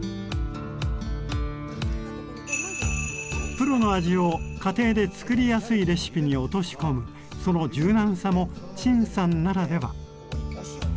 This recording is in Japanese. プロの味を家庭でつくりやすいレシピに落とし込むその柔軟さも陳さんならでは。